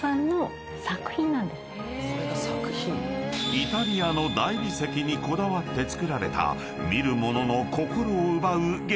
［イタリアの大理石にこだわって造られた見る者の心を奪う激